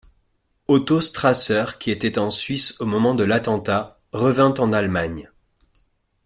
Otto Strasser qui était en Suisse au moment de l'attentat revint en Allemagne.